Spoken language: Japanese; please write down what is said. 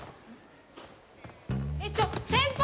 えっちょっ先輩！